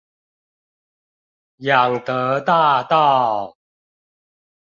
仰德大道